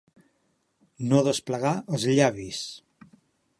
No desplegar els llavis.